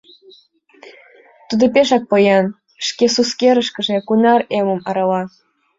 Тудо пешак поян, шке сусекыштыже кунар эмым арала.